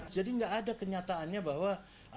jadi nggak ada kenyataannya bahwa